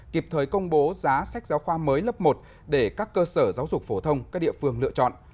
kịp thời công bố giá sách giáo khoa mới lớp một để các cơ sở giáo dục phổ thông các địa phương lựa chọn